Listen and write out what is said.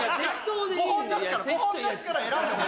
５本出すから５本出すから選んでほしいの。